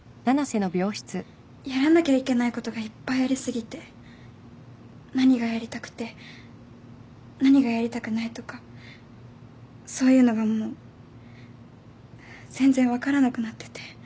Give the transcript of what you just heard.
やらなきゃいけないことがいっぱいあり過ぎて何がやりたくて何がやりたくないとかそういうのがもう全然分からなくなってて